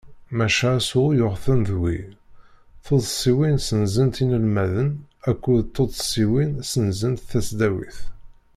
Maca asuɣu yugten d wi: Tuddsiwin senzent inelmaden akked Tuddsiwin senzent tasdawit.